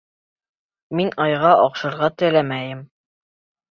— Мин айға оҡшарға теләмәйем.